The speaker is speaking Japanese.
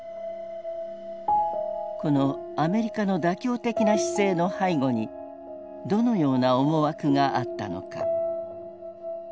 このアメリカの妥協的な姿勢の背後にどのような思惑があったのか。